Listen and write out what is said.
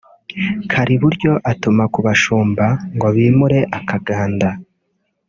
Kariburyo atuma ku bashumba ngo bimure Akaganda